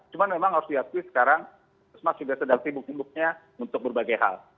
cuma memang harus diatur sekarang sma sudah sedang sibuk sibuknya untuk berbagai hal